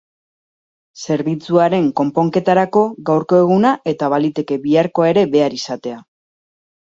Zerbitzuaren konponketarako gaurko eguna eta baliteke biharkoa ere behar izatea.